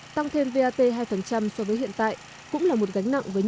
tăng thêm vat hai so với hiện tại cũng là một gần